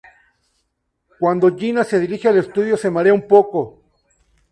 Cuando Jenna se dirige al estudio, se marea un poco.